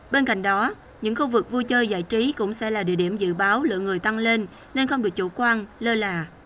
bên cạnh đó những khu vực vui chơi giải trí cũng sẽ là địa điểm dự báo lượng người tăng lên nên không được chủ quan lơ là